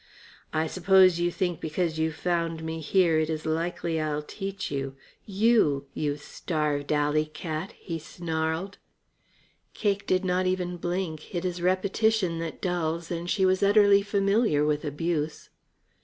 "I suppose you think because you've found me here it is likely I'll teach you you! You starved alley cat!" he snarled. Cake did not even blink. It is repetition that dulls, and she was utterly familiar with abuse.